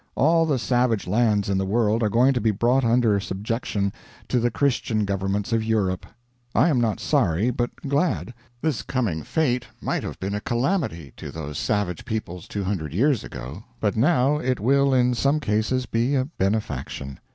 All the savage lands in the world are going to be brought under subjection to the Christian governments of Europe. I am not sorry, but glad. This coming fate might have been a calamity to those savage peoples two hundred years ago; but now it will in some cases be a benefaction.